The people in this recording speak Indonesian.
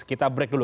kita break dulu